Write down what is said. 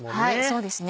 そうですね